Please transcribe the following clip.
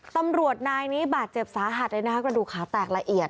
ตำรวจนายนี้บาดเจ็บสาหัสเลยนะคะกระดูกขาแตกละเอียด